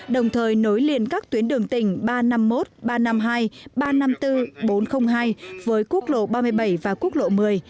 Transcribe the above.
đồng thời nối liền các tuyến đường tỉnh ba trăm năm mươi một ba trăm năm mươi hai ba trăm năm mươi bốn bốn trăm linh hai với quốc lộ ba mươi bảy và quốc lộ một mươi